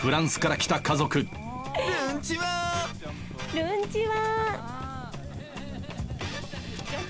るんちは。